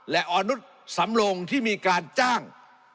และอนุษย์สำรงที่มีการจ้าง